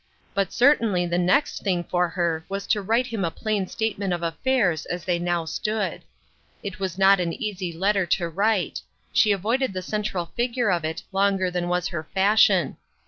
But certainly the next thing for her was to write him a plain statement of affairs as they now stood. It was not an easy letter to write ; she avoided the central feature of it longer than was her fashion.